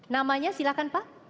namanya silahkan pak